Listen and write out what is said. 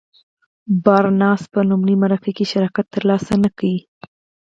بارنس په لومړۍ مرکه کې شراکت تر لاسه نه کړ.